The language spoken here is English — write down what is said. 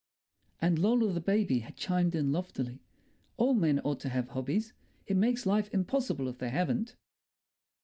And Lola the baby had chimed in loftily, "All men ought to have hobbies. It makes life impossible if they haven't."